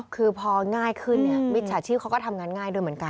คือพอง่ายขึ้นเนี่ยมิจฉาชีพเขาก็ทำงานง่ายด้วยเหมือนกัน